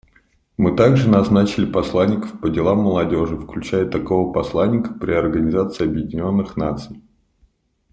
Мы также назначили посланников по делам молодежи, включая такого посланника при Организации Объединенных Наций.